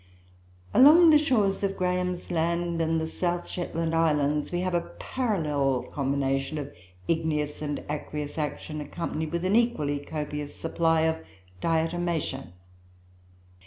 "Along the shores of Graham's Land and the South Shetland Islands, we have a parallel combination of igneous and aqueous action, accompanied with an equally copious supply of Diatomaceoe.